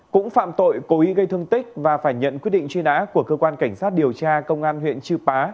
cũng phạm tội cố ý gây thương tích và phải nhận quyết định truy nã của cơ quan cảnh sát điều tra công an huyện chư pá